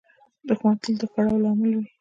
دښمن تل د کړاو لامل وي